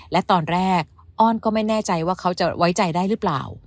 และตอนแรกอ้อนก็ไม่แน่ใจว่าเขาจะไว้ใจได้หรือเปล่า